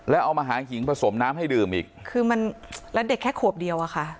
แล้วเอามาหาหิงผสมน้ำให้ดื่มอีกคือมันแล้วเด็กแค่ขวบเดียวอะค่ะ